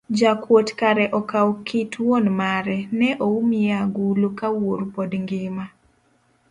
Jakuot kare okawo kit wuon mare ne oumi e agulu, ka wuoru pod ngima